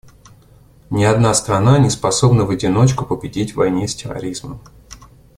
Ни одна страна не способна в одиночку победить в войне с терроризмом.